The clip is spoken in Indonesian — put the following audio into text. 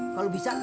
eh kalau bisa